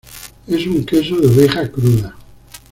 Es un queso de oveja cruda.